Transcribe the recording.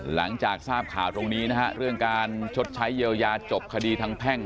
หลังจากทราบข่าวตรงนี้นะฮะเรื่องการชดใช้เยียวยาจบคดีทางแพ่ง